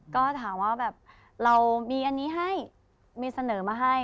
ก็ถามว่าแบบเรามีอันนี้ให้มีเสนอมาให้